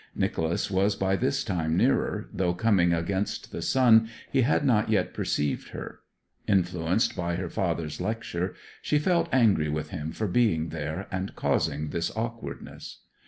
Nicholas was by this time nearer, though coming against the sun he had not yet perceived her. Influenced by her father's lecture, she felt angry with him for being there and causing this awkwardness.